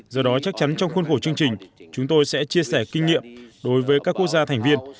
do đó chắc chắn trong khuôn khổ chương trình chúng tôi sẽ chia sẻ kinh nghiệm đối với các quốc gia thành viên